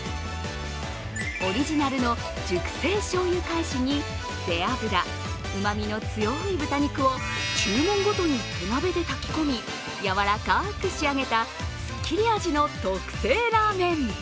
オリジナルの熟成醤油かえしに背脂、うまみの強い豚肉を注文ごとに手鍋で炊き込みやわらかく仕上げた、すっきり味の特製ラーメン。